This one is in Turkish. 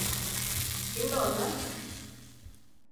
Kimdi onlar?